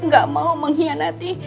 gak mau mengkhianati